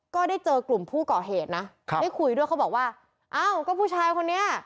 ก็ได้เจอกลุ่มผู้ก่อเหตุนะได้คุยด้วยเขาบอกว่าอ้าวก็ผู้ชายคนนี้